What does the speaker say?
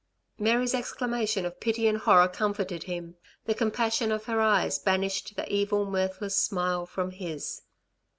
Mary's exclamation of pity and horror comforted him. The compassion of her eyes banished the evil, mirthless smile from his.